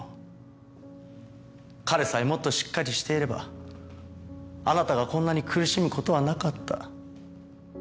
彼さえもっとしっかりしていればあなたがこんなに苦しむ事はなかった。